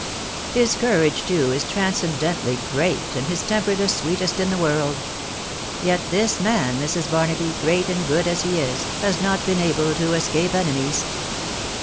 ... His courage, too, is transcendently great, and his temper the sweetest in the world i .... Yet this man, Mrs. Barnaby, great and good as he is, has not been able 'to escape enemies.